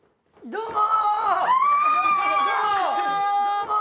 どうも！